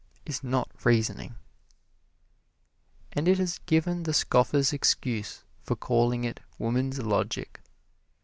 is not reasoning. And it has given the scoffers excuse for calling it woman's logic.